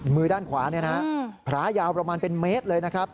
มือด้านขวายาวประมาณเป็นเมตรเลยนะครับ